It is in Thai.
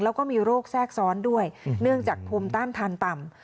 แล้วก็มีโรคแทรกซ้อนด้วยเนื่องจากภูมิต้านทานต่ำ